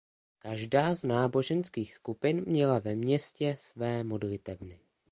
Každá z náboženských skupin měla ve městě své modlitebny.